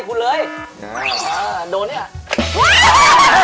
รู้แหละนะเพราะแบบดวงดีอย่าหากลุงดีไง